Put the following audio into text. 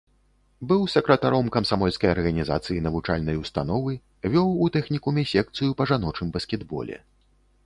Быў сакратаром камсамольскай арганізацыі навучальнай установы, вёў у тэхнікуме секцыю па жаночым баскетболе.